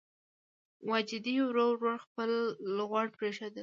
واجدې ورو ورو خپل غوړ پرېښودل.